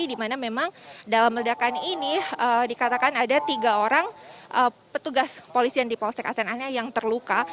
dimana memang dalam ledakan ini dikatakan ada tiga orang petugas polisian di polsek astana anyar yang terluka